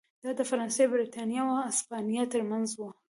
دا د فرانسې، برېټانیا او هسپانیا ترمنځ و.